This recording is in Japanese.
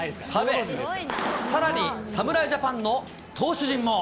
さらに侍ジャパンの投手陣も。